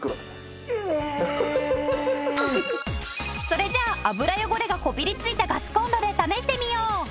それじゃあ油汚れがこびりついたガスコンロで試してみよう！